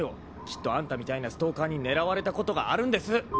きっとあんたみたいなストーカーに狙われたことがあるんです。